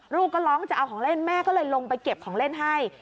ลูกก็ร้องจะเอาของเล่นแม่ก็เลยลงไปเก็บของเล่นให้